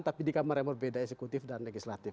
tapi di kamar yang berbeda eksekutif dan legislatif